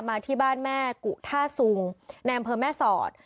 มาที่บ้านแม่กุธาสุงแนมเพิ่มแม่สอด